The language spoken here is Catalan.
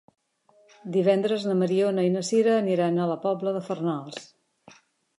Divendres na Mariona i na Sira aniran a la Pobla de Farnals.